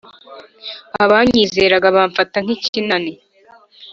abanyizeraga bafamta nk’ikinani